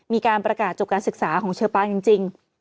มีการประกาศจบการศึกษาของเชอปางจริง